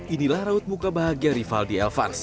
inilah raut muka bahagia rivaldi elvans